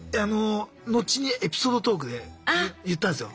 後にエピソードトークで言ったんですよ。